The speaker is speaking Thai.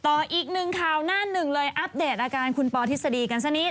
ต่ออีกหนึ่งข่าวหน้าหนึ่งเลยอัปเดตอาการคุณปอทฤษฎีกันสักนิด